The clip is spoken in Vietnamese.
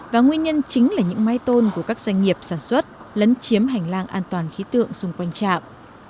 và nguyên nhân chính là những mái tôn của các doanh nghiệp sản xuất lấn chiếm hành lang an toàn khí tượng xung quanh trạm